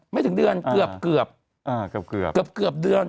ไม่ถึงเดือนเกือบ